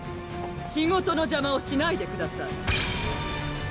仕事の邪魔をしないでください